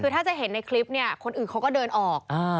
คือถ้าจะเห็นในคลิปเนี่ยคนอื่นเขาก็เดินออก